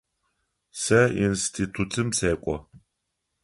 Сэ институтым сэкӏо.